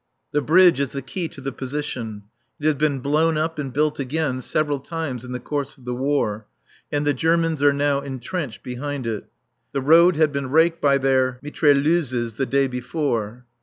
The bridge is the key to the position; it has been blown up and built again several times in the course of the War, and the Germans are now entrenched beyond it. The road had been raked by their mitrailleuses the day before.